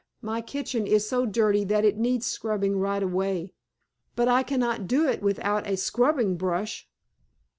My kitchen is so dirty that it needs scrubbing right away. But I cannot do it without a scrubbing brush."